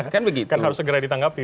kan harus segera ditanggapi